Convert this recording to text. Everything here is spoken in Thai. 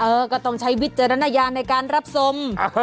เออก็ต้องใช้วิจารณญาณในการรับชม